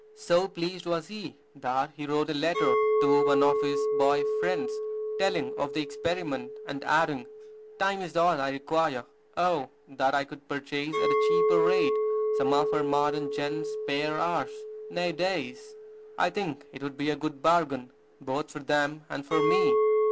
So pleased was he that he wrote a letter to one of his boy friends, telling of the experiment, and adding, "Time is all I require. Oh, that I could purchase at a cheap rate some of our modern gent's spare hours, nay, days! I think it would be a good bargain, both for them and for me."